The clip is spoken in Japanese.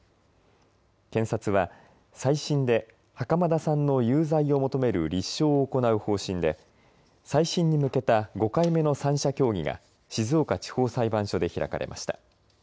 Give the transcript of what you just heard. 検察は再審で袴田さんの有罪を求める立証を行う方針で再審に向けた５回目の３者協議が静岡地方裁判所で開かれました。